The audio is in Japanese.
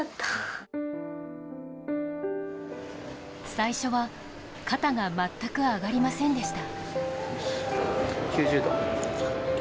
最初は肩が全く上がりませんでした。